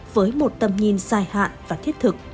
với một tầm nhìn dài hạn và thiết thực